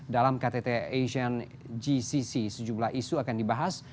dalam ktt asian gcc sejumlah isu akan dibahas